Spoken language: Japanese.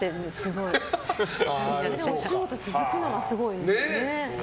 お仕事続くのがすごいですね。